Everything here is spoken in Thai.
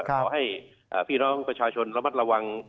ขอให้พี่น้องประชาชนระมัดระวัง